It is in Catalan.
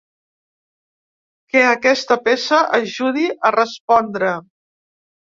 Que aquesta peça ajudi a respondre.